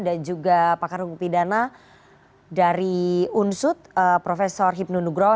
dan juga pakar hukum pidana dari unsud prof hipnu nugroh